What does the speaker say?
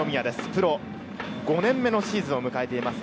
プロ５年目のシーズンを迎えています。